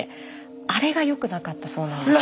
あれがよくなかったそうなんです。